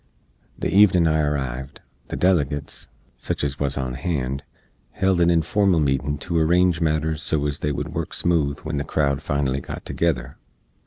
The evenin I arrived, the delegates, sich ez wuz on hand, held a informal meetin to arrange matters so ez they wood work smooth when the crowd finally got together.